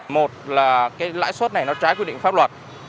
một là cái lãi suất này nó trái quy định pháp luật